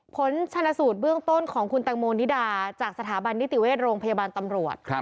ผลชนสูตรเบื้องต้นของคุณแตงโมนิดาจากสถาบันนิติเวชโรงพยาบาลตำรวจ